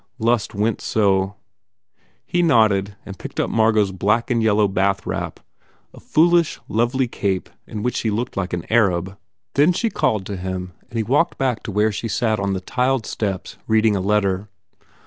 Lust went so. He nod ded and picked up Margot s black and yellow bath wrap, a foolish, lovely cape in which she looked like an Arab. Then she called to him and he walked back to where she sat on the tiled steps reading a letter.